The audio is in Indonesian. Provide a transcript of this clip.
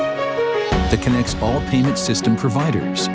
yang menghubungkan semua pengguna sistem uang